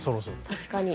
確かに。